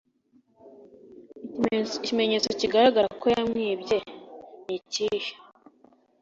Ikimenyetso kigaragara ko yamwibye nikihe?